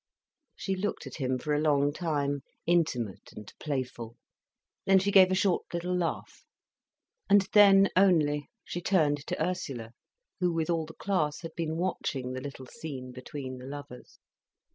She looked at him for a long time, intimate and playful, then she gave a short little laugh. And then only she turned to Ursula, who, with all the class, had been watching the little scene between the lovers.